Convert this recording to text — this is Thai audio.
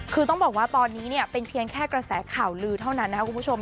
คือต้องบอกว่าตอนนี้เนี่ยเป็นเพียงแค่กระแสข่าวลือเท่านั้นนะครับคุณผู้ชม